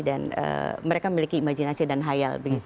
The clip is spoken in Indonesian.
dan mereka memiliki imajinasi dan hayal